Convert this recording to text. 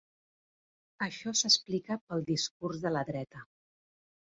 Això s’explica pel discurs de la dreta.